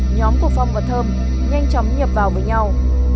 nhóm của phong và thơm nhanh chóng nhập vào với nhau